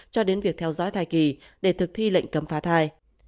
cho đến việc theo dõi thai kỳ để thực thi lệnh cấm phá thai